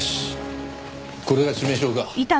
これが致命傷か。